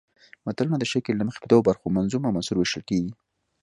متلونه د شکل له مخې په دوو برخو منظوم او منثور ویشل کیږي